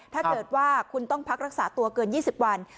ถ้าเกิดว่าคุณต้องพักรักษาตัวเกิน๒๐วัน